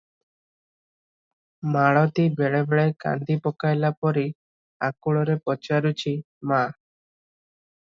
ମାଳତୀ ବେଳେ ବେଳେ କାନ୍ଦି ପକାଇଲା ପରି ଆକୁଳରେ ପଚାରୁଛି, "ମା!